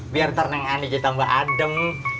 biar ntar neng ani jadi tambah adem